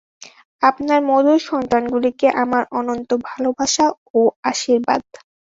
আপনার মধুর সন্তানগুলিকে আমার অনন্ত ভালবাসা ও আশীর্বাদ।